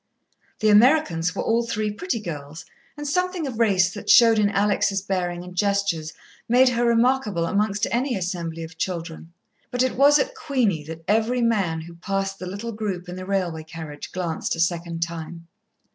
The Americans were all three pretty girls, and something of race that showed in Alex' bearing and gestures made her remarkable amongst any assembly of children, but it was at Queenie that every man who passed the little group in the railway carriage glanced a second time.